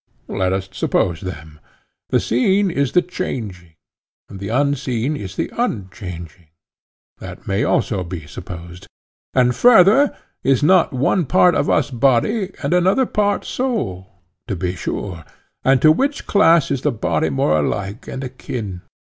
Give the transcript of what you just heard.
Let us suppose them. The seen is the changing, and the unseen is the unchanging? That may be also supposed. And, further, is not one part of us body, another part soul? To be sure. And to which class is the body more alike and akin?